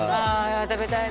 食べたいな